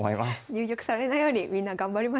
入玉されないようにみんな頑張りましょう。